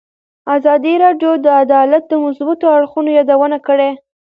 ازادي راډیو د عدالت د مثبتو اړخونو یادونه کړې.